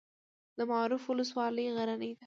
د معروف ولسوالۍ غرنۍ ده